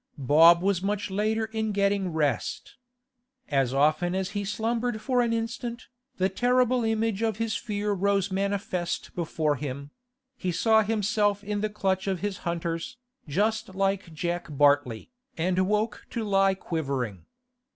Bob was much later in getting rest. As often as he slumbered for an instant, the terrible image of his fear rose manifest before him; he saw himself in the clutch of his hunters, just like Jack Bartley, and woke to lie quivering.